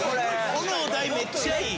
このお題めっちゃいい。